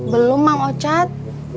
belum bang ocat